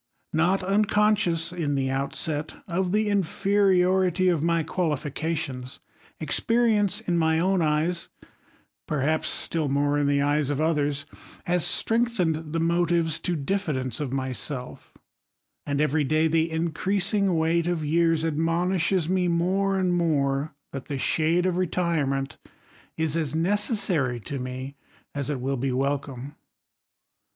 Not unconscious, in the outset, of the infe riority of my qualifications, experience in my own eyes, perhaps still more in the eyes of others, has strength ened the motives to diffidence of myself: and every day the increasing weight of years admonishes me more and more, that the shade of retirement is as necessary to me as it will be welcome.